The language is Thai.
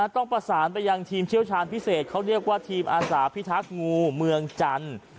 ต้องประสานไปยังทีมเชี่ยวชาญพิเศษเขาเรียกว่าทีมอาสาพิทักษ์งูเมืองจันทร์